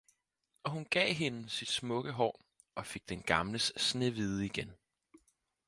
Og hun gav hende sit smukke hår og fik den gamles snehvide igen.